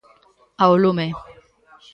Ao lume.